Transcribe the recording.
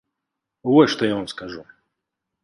Вось што я вам скажу!